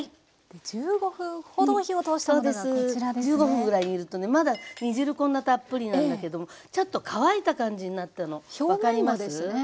１５分ぐらい煮るとねまだ煮汁こんなたっぷりなんだけどもちょっと乾いた感じになったの表面がですね。